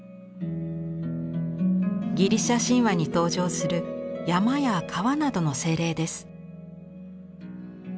ギリシャ神話に登場する山や川などの精霊です。